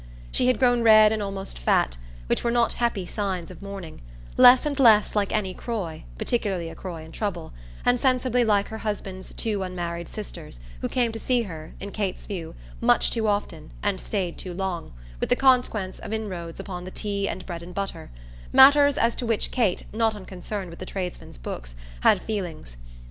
She had grown red and almost fat, which were not happy signs of mourning; less and less like any Croy, particularly a Croy in trouble, and sensibly like her husband's two unmarried sisters, who came to see her, in Kate's view, much too often and stayed too long, with the consequence of inroads upon the tea and bread and butter matters as to which Kate, not unconcerned with the tradesmen's books, had feelings.